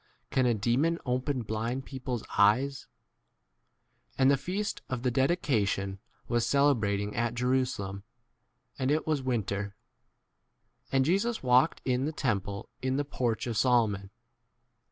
Can a demon open blind people's 22 eyes ? And the feast of the dedi cation was celebrating at Jerusa 23 lem, and it was winter. And Jesus walked in the temple in the porch 24 of Solomon.